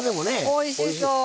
おいしそう。